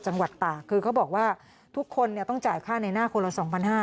จังหวัดตากคือเขาบอกว่าทุกคนต้องจ่ายค่าในหน้าคนละ๒๕๐๐